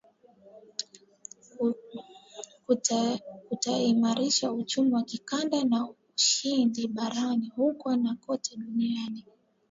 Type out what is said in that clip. Kutaimarisha uchumi wa kikanda na ushindani barani huko na kote duniani.